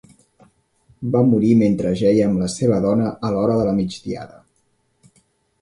Va morir mentre jeia amb la seva dona a l'hora de la migdiada.